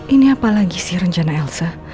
ini apa lagi sih rencana elsa